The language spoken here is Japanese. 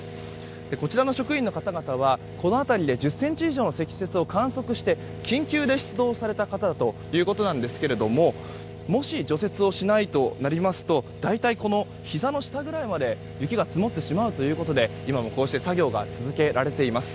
こちらの職員の方々はこの辺りで１０ｃｍ以上の積雪を観測して、緊急で出動された方だということなんですがもし、除雪をしないとなりますと大体このひざの下くらいまで雪が積もってしまうということで今もこうして作業が続けられています。